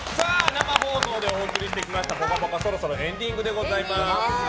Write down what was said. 生放送でお送りしてきました「ぽかぽか」そろそろエンディングでございます。